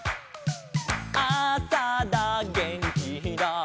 「あさだげんきだ」